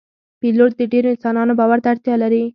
پیلوټ د ډیرو انسانانو باور ته اړتیا لري.